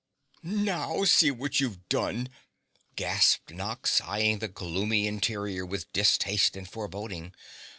"Now, see what you've done!" gasped Nox, eyeing the gloomy interior with distaste and foreboding.